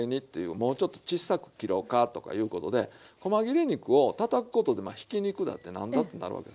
もうちょっとちっさく切ろうかとかいうことでこま切れ肉をたたくことでひき肉だって何だってなるわけですね。